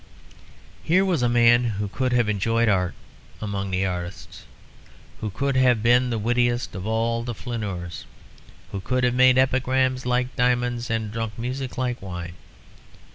Here was a man who could have enjoyed art among the artists, who could have been the wittiest of all the flâneurs; who could have made epigrams like diamonds and drunk music like wine.